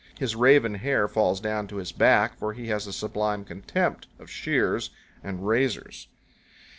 His raven hair falls down to his back, for he has a sublime contempt of shears and razors.